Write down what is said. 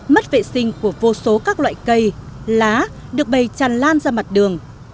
mất vệ sinh của vô số các loại cây lá được bày tràn lan ra mặt đường